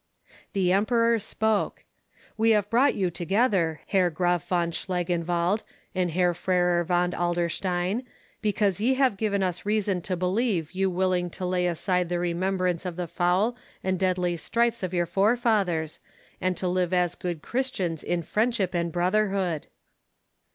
The Emperor spoke: "We have brought you together, Herr Graff von Schlangenwald, and Herr Freiherr von Adlerstein, because ye have given us reason to believe you willing to lay aside the remembrance of the foul and deadly strifes of your forefathers, and to live as good Christians in friendship and brotherhood."